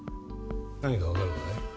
何かわかるかい？